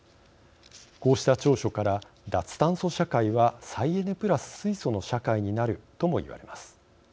こうした長所から脱炭素社会は再エネプラス水素の社会になるとも言われます。